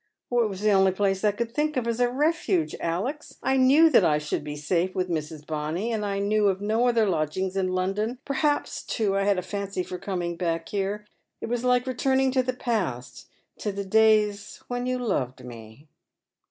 " It was the only place I could think of as a refuge, Alex. J knew that I should be safe with Mrs. Bonny, and I knew of na other lodgings iti London. Perhaps, too, I had a fancy foi coming back here. It was like returning to the past — to the days when you loved me."